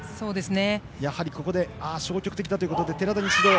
やはりここで消極的ということで寺田に指導。